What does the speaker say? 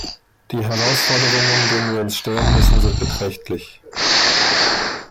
Die Herausforderungen, denen wir uns stellen müssen, sind beträchtlich.